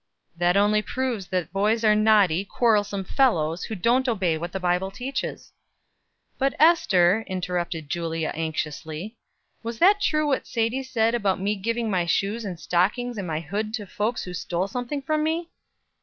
"That only proves that boys are naughty, quarrelsome fellows, who don't obey what the Bible teaches." "But, Ester," interrupted Julia, anxiously, "was that true what Sadie said about me giving my shoes and stockings and my hood to folks who stole something from me?"